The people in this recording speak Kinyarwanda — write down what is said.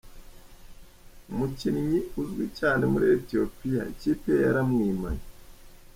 Umukinnyi uzwi cyane muri Ethiopia, ikipe ye yaramwimanye.